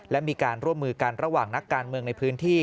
และมีการร่วมมือกันระหว่างนักการเมืองในพื้นที่